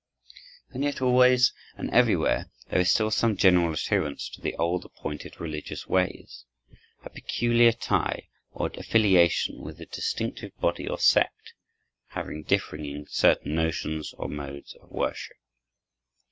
And yet always and everywhere there is still some general adherence to the old appointed religious ways, a peculiar tie or affiliation with the distinctive body or sect, however differing in certain notions or modes of worship.